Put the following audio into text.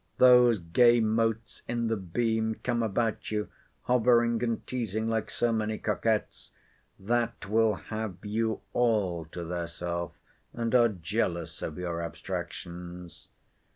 Those gay motes in the beam come about you, hovering and teazing, like so many coquets, that will have you all to their self, and are jealous of your abstractions.